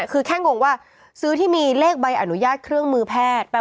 คือแค่งงว่าซื้อที่มีเลขใบอนุญาตเครื่องมือแพทย์